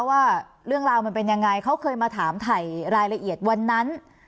ว่าเรื่องราวมันเป็นยังไงเขาเคยมาถามถ่ายรายละเอียดวันนั้น